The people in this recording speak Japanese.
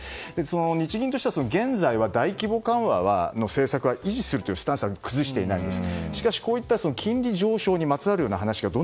日銀としては現在の大規模緩和の政策は維持するというスタンスは崩していないんです。